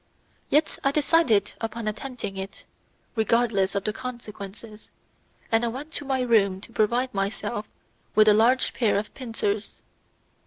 Yet I decided upon attempting it, regardless of consequences; and I went to my room to provide myself with a large pair of pincers.